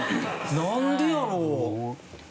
なんでやろう？